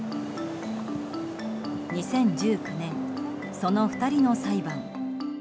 ２０１９年、その２人の裁判。